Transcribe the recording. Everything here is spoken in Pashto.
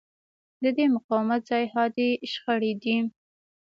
د دې مقاومت ځای حادې شخړې دي.